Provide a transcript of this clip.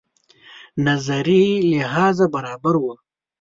نظري لحاظ برابره وه.